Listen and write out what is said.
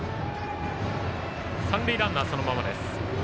三塁ランナー、そのままです。